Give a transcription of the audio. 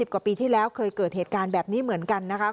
กว่าปีที่แล้วเคยเกิดเหตุการณ์แบบนี้เหมือนกันนะคะ